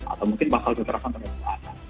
atau mungkin pasal diterapkan terdekat